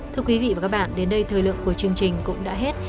thưa quý vị và các bạn đến đây thời lượng của chương trình cũng đã hết